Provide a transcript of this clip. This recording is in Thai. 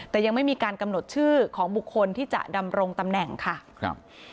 แต่ยังไม่มีการกำหนดชื่อของบุคคลที่จะดำรงตำแหน่งค่ะครับ